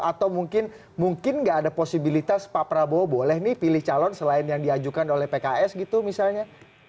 atau mungkin nggak ada posibilitas pak prabowo boleh nih pilih calon selain yang diajukan oleh pks gitu misalnya